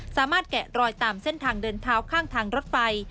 แกะรอยตามเส้นทางเดินเท้าข้างทางรถไฟ